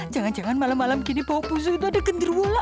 jangan jangan malam malam gini bau pusu itu ada genderuwa lah